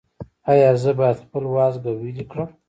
ایا زه باید خپل وازګه ویلې کړم؟